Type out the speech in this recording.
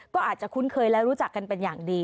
ก็อาจจะคุ้นเคยและรู้จักกันเป็นอย่างดี